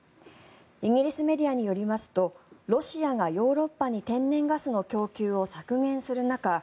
イギリスメディアによりますとロシアがヨーロッパに天然ガスの供給を削減する中